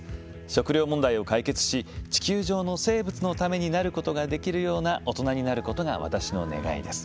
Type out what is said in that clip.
食糧問題を解決し地球上の生物のためになることができるような大人になることが私の願いです。